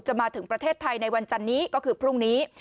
มาถึงประเทศไทยในวันจันนี้ก็คือพรุ่งนี้